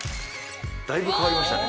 だいぶ変わりましたね。